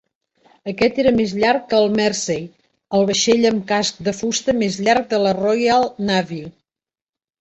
Aquest era més llarg que el "Mersey", el vaixell amb casc de fusta més llarg de la Royal Navy.